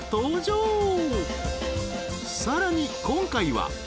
［さらに今回は］